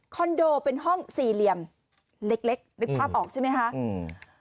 โดเป็นห้องสี่เหลี่ยมเล็กเล็กนึกภาพออกใช่ไหมคะอืม